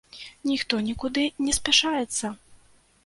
Ніхто нікуды не спяшаецца.